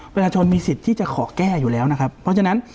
ประชาชนมีสิทธิ์ที่จะขอแก้อยู่แล้วนะครับเพราะฉะนั้น